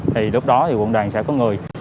thì lúc đó thì quân đoàn sẽ có ngược